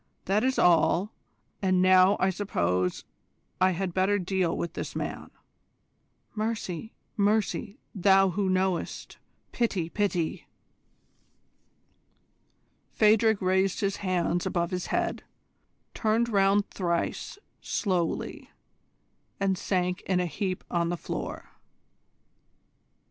That is all, and now I suppose I had better deal with this man." "Mercy, mercy, Thou Who Knowest! Pity, pity!" Phadrig raised his hands above his head, turned round thrice slowly, and sank in a heap on the floor.